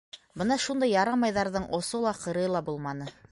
Бына шундай «ярамай»ҙарҙың осо ла, ҡырыйы ла булманы.